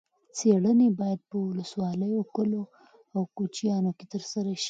څېړنې باید په ولسوالیو، کلیو او کوچیانو کې ترسره شي.